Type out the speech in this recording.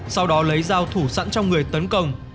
sau đó lấy dao thủ sẵn trong người tấn công